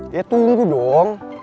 ya tunggu dong